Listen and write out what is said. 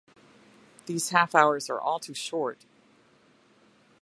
These half hours are all too short.